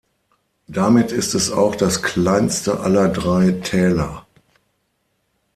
Damit ist es auch das kleinste aller drei Täler.